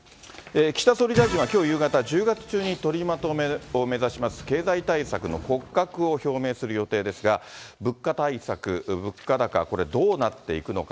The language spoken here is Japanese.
岸田総理大臣はきょう夕方、１０月中に取りまとめを目指します、経済対策の骨格を表明する予定ですが、物価対策、物価高、これ、どうなっていくのか。